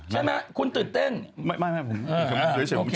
สอนลุงสอนลามเขาก็ช่วยหมดนะ